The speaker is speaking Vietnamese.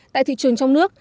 tại thị trường trong nước